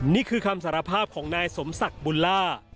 นี่คือคำสารภาพของนายสมศักดิ์บุญล่า